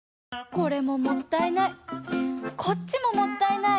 こっちももったいない。